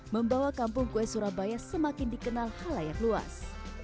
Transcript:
membawa kampung kue surabaya semakin dikenal halayak luas